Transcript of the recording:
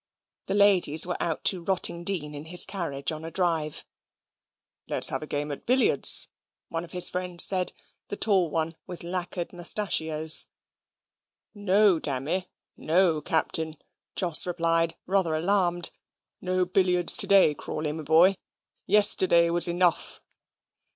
The ladies were out to Rottingdean in his carriage on a drive. "Let's have a game at billiards," one of his friends said the tall one, with lacquered mustachios. "No, dammy; no, Captain," Jos replied, rather alarmed. "No billiards to day, Crawley, my boy; yesterday was enough."